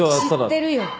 知ってるよ。